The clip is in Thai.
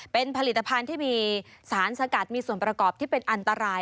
เป็นผลิตภัณฑ์ที่มีสารสกัดมีส่วนประกอบที่เป็นอันตราย